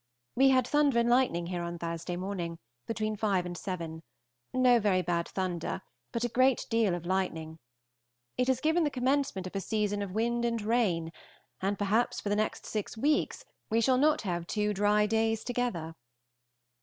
We had thunder and lightning here on Thursday morning, between five and seven; no very bad thunder, but a great deal of lightning. It has given the commencement of a season of wind and rain, and perhaps for the next six weeks we shall not have two dry days together.